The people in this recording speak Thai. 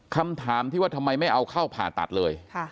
คำถามที่ว่าทำไมไม่เอาเข้าผ่าตัดเลย